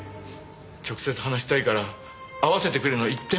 直接話したいから会わせてくれの一点張りで。